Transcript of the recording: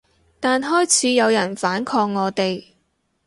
但開始有人反抗我哋